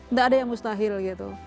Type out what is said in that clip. nggak ada yang mustahil gitu